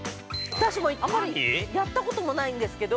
◆私も、あまりやったこともないんですけど。